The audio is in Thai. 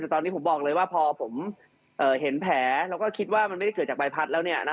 แต่ตอนนี้ผมบอกเลยว่าพอผมเห็นแผลแล้วก็คิดว่ามันไม่ได้เกิดจากใบพัดแล้ว